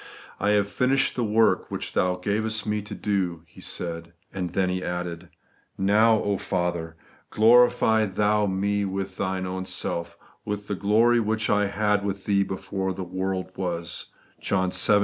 ' I have finished the work which Thou gavest me to do,' He said ; and then He added, ' Now, Father, glorify Thou me with Thine own self, with the glory which I had with Thee before the world was ' (John wii.